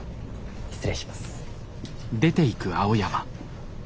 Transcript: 失礼します。